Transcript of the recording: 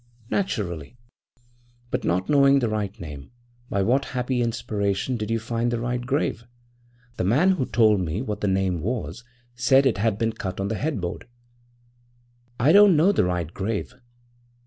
'Naturally.' 'But not knowing the right name, by what happy inspiration did you find the right grave? The man who told me what the name was said it had been cut on the headboard.' 'I don't know the right grave.'